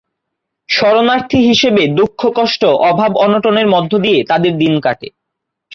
শরণার্থী হিসেবে দুঃখ-কষ্ট, অভাব-অনটনের মধ্য দিয়ে তাঁদের দিন কাটে।